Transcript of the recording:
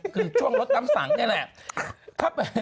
คือช่วงรถน้ำสังนี่แหละ